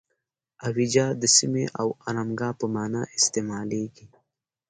اویجه د سیمې او آرامګاه په معنی استعمالیږي.